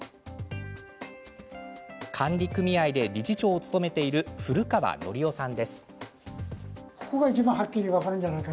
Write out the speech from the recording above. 管理組合で理事長を務めている古川憲生さんです。